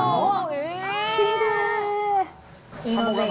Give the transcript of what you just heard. きれい。